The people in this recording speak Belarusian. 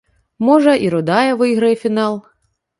Можа, і рудая выйграе фінал.